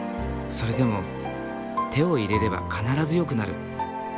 それでも手を入れれば必ず良くなる。